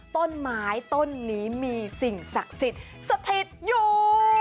ต้นไม้ต้นนี้มีสิ่งศักดิ์สิทธิ์สถิตอยู่